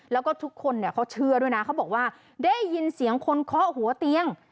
แล้วก็ทุกคนเนี่ยเขาเชื่อด้วยนะเขาบอกว่าได้ยินเสียงคนเคาะหัวเตียง